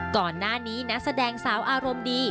ก่อนหน้านี้นักแสดงสาวอารมณ์ดี